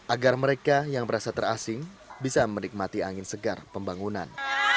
agar mereka yang merasa terasing bisa menikmati angin segar pembangunan